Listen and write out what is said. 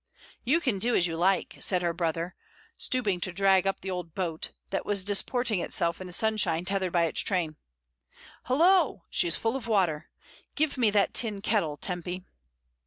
"You can do as you like," said her brother, stooping to drag up the old boat, that was disport ing itself in the sunshine tethered by its chain. "Hullo! she is full of water. Give me that tin kettle, Tempy."